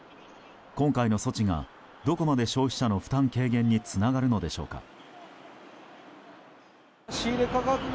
今回の措置が、どこまで消費者の負担軽減につながるのでしょうか。